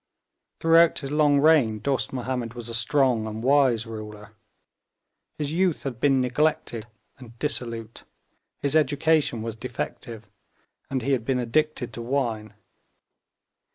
Throughout his long reign Dost Mahomed was a strong and wise ruler. His youth had been neglected and dissolute. His education was defective, and he had been addicted to wine.